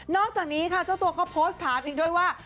อกจากนี้ค่ะเจ้าตัวก็โพสต์ถามอีกด้วยว่า